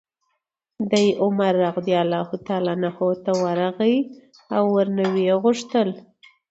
دی عمر رضي الله عنه ته ورغی او ورنه ویې غوښتل